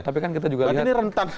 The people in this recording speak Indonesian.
tapi kan kita juga lihat